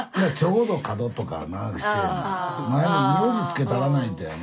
前に名字付けたらないとやな。